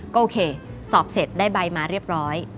ก็โอเคสอบเสร็จได้ใบมาเรียบร้อย